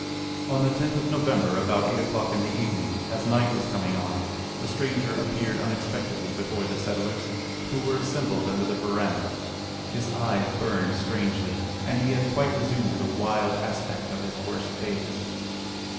On the 10th of November, about eight o'clock in the evening, as night was coming on, the stranger appeared unexpectedly before the settlers, who were assembled under the verandah. His eyes burned strangely, and he had quite resumed the wild aspect of his worst days.